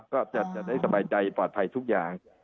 ก็จะได้สบายใจปลอดภัยทุกอย่าง